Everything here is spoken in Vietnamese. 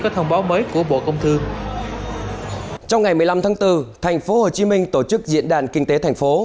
một mươi năm tháng bốn tp hcm tổ chức diễn đàn kinh tế thành phố